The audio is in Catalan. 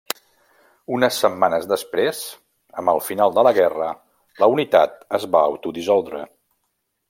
Unes setmanes després, amb el final de la guerra, la unitat es va autodissoldre.